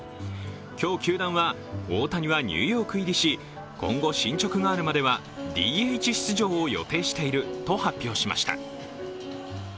今日、球団は大谷はニューヨーク入りし今後、進捗があるまではＤＨ出場を予定していると発表しました。